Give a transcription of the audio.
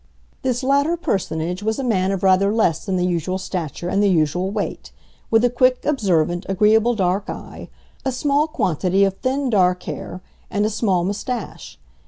This latter personage was a man of rather less than the usual stature and the usual weight, with a quick, observant, agreeable dark eye, a small quantity of thin dark hair, and a small moustache.